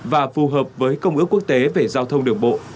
và phù hợp với công ước quốc tế về giao thông đường bộ